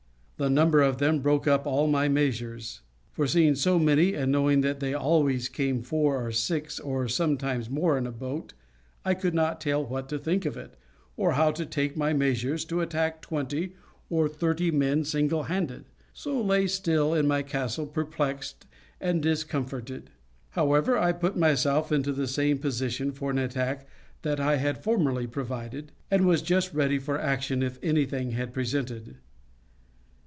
The number of them broke all my measures; for seeing so many, and knowing that they always came four or six or sometimes more in a boat, I could not tell what to think of it, or how to take my measures to attack twenty or thirty men single handed; so lay still in my castle perplexed and discomforted. However, I put myself into the same position for an attack that I had formerly provided, and was just ready for action if anything had presented.